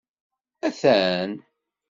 Atan!